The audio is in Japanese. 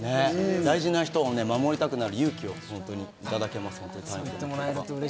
大事な人を守りたくなる勇気をいただきます。